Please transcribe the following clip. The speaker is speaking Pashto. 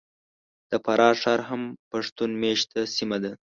د فراه ښار هم پښتون مېشته سیمه ده .